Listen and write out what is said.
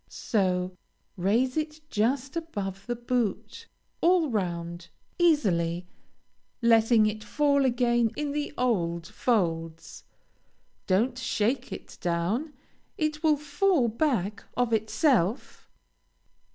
So. Raise it just above the boot, all round, easily, letting it fall again in the old folds. Don't shake it down; it will fall back of itself.